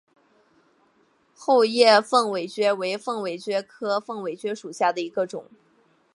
厚叶凤尾蕨为凤尾蕨科凤尾蕨属下的一个种。